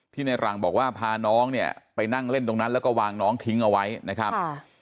ในหลังบอกว่าพาน้องเนี่ยไปนั่งเล่นตรงนั้นแล้วก็วางน้องทิ้งเอาไว้นะครับ